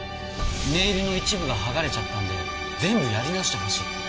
ネイルの一部がはがれちゃったんで全部やり直してほしいって。